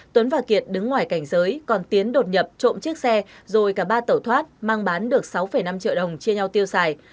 tuấn và kiệt đứng ngoài cảnh giới còn tiến đột nhập trộm chiếc xe rồi cả ba tẩu thoát mang bán được sáu năm triệu đồng chia nhau tiêu xài